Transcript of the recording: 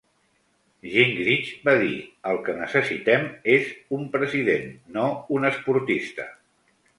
Gingrich va dir: El que necessitem és un president, no un esportista.